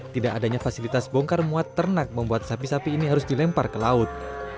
tidak adanya fasilitas bongkar muat ternak membuat sapi sapi ini harus dilempar ke laut